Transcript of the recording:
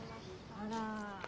あら。